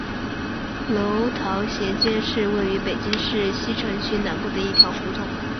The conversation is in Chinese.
楼桃斜街是位于北京市西城区南部的一条胡同。